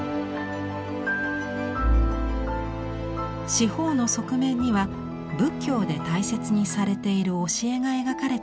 四方の側面には仏教で大切にされている教えが描かれています。